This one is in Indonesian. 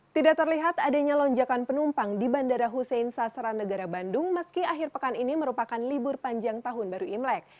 tidak terlihat adanya lonjakan penumpang di bandara husein sastra negara bandung meski akhir pekan ini merupakan libur panjang tahun baru imlek